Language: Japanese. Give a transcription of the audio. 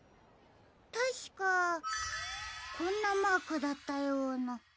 たしかこんなマークだったような。